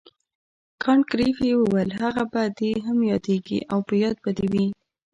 کانت ګریفي وویل هغه به دې هم یادیږي او په یاد به دې وي.